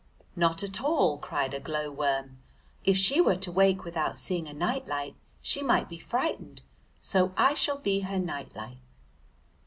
"Not at all," cried a glow worm, "if she were to wake without seeing a night light she might be frightened, so I shall be her night light."